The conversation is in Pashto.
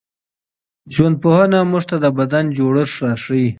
ژوندپوهنه موږ ته د بدن جوړښت راښيي.